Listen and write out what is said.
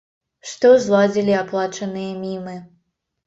Што зладзілі аплачаныя мімы.